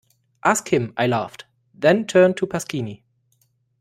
Ask him, I laughed, then turned to Pasquini.